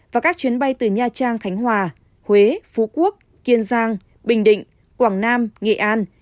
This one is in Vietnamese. và các chuyến bay từ nha trang khánh hòa huế phú quốc kiên giang bình định quảng nam nghệ an